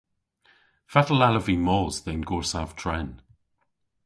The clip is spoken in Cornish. Fatel allav vy mos dhe'n gorsav tren?